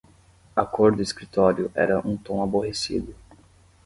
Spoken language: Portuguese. A cor do escritório era um tom aborrecido.